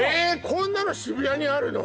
こんなの渋谷にあるの！？